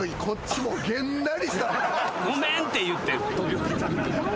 ごめんって言って。